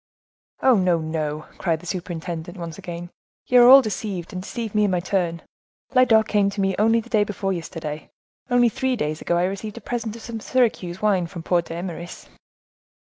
"Oh! no, no!" cried the superintendent, once again; "you are all deceived, and deceive me in my turn; Lyodot came to see me only the day before yesterday; only three days ago I received a present of some Syracuse wine from poor D'Eymeris."